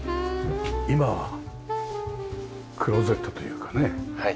今はクローゼットというかね